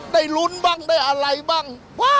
ได้ลุ้นบ้างได้อะไรบ้าง